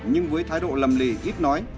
nhưng với thái độ lầm lì ít nói